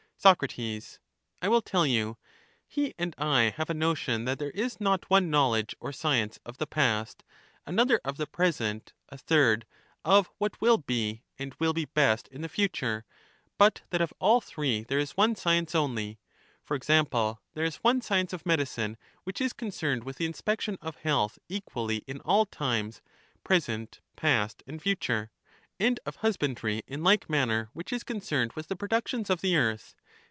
Soc, I will tell you. He and I have a notion that there is not one knowledge or science of the past, an other of the present, a third of what wiU be and will be best in the future ; but that of all three there is one science only: for example, there is one science of medicine which is concerned with the inspection of health equally in all times, present, past, and future; and of husbandry in like manner, which is concerned with the productions of the earth.